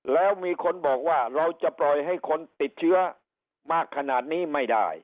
แล้วมีคนบอกว่าเราจะปล่อยให้คนติดเชื้อมากขนาดนี้ไม่ได้